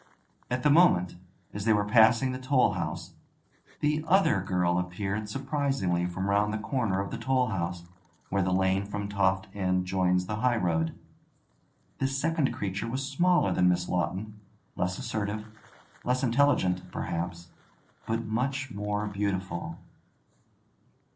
At the moment, as they were passing the toll house, the other girl appeared surprisingly from round the corner of the toll house, where the lane from Toft End joins the highroad. This second creature was smaller than Miss Lawton, less assertive, less intelligent, perhaps, but much more beautiful.